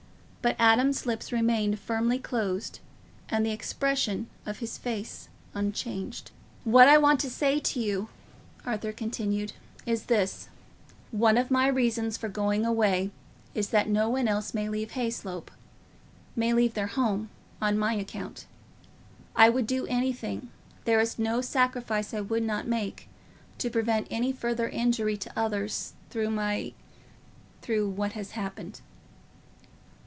But Adam's lips remained firmly closed, and the expression of his face unchanged. "What I want to say to you," Arthur continued, "is this: one of my reasons for going away is that no one else may leave Hayslope—may leave their home on my account. I would do anything, there is no sacrifice I would not make, to prevent any further injury to others through my—through what has happened."